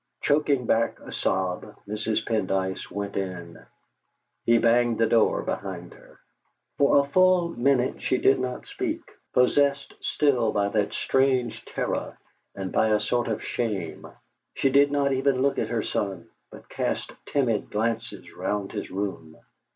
Choking back a sob, Mrs. Pendyce went in. He banged the door behind her. For a full minute she did not speak, possessed still by that strange terror and by a sort of shame. She did not even look at her son, but cast timid glances round his room.